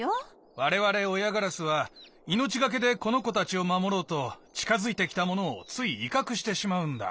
われわれおやガラスはいのちがけでこのこたちをまもろうとちかづいてきたものをついいかくしてしまうんだ。